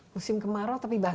musim kemarau tapi basah